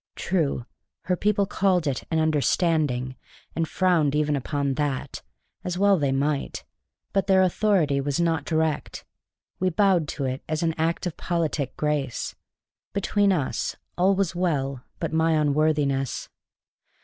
True, her people called it "an understanding," and frowned even upon that, as well they might. But their authority was not direct; we bowed to it as an act of politic grace; between us, all was well but my unworthiness.